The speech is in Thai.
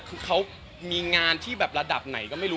คือเขามีงานที่แบบระดับไหนก็ไม่รู้